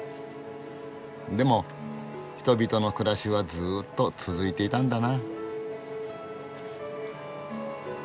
でも人々の暮らしはずっと続いていたんだな。